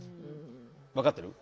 分かってる？